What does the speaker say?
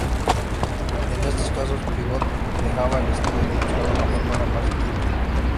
En estos casos, Pivot dejaba el estudio y buscaba una fórmula más íntima.